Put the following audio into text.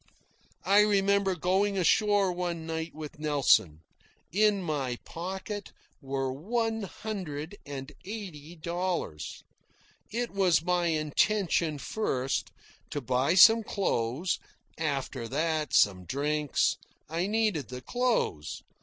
I remember going ashore one night with Nelson. In my pocket were one hundred and eighty dollars. It was my intention, first, to buy me some clothes, after that, some drinks. I needed the clothes.